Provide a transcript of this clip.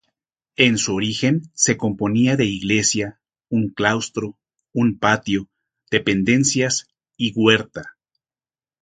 En su origen se componía de iglesia, un claustro, un patio, dependencias y huerta.